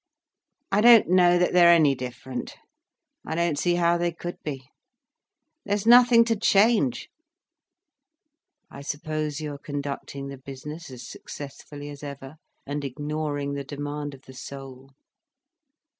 "I don't know that they're any different. I don't see how they could be. There's nothing to change." "I suppose you are conducting the business as successfully as ever, and ignoring the demand of the soul."